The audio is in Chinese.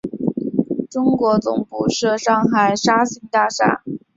中国总部设上海沙逊大厦。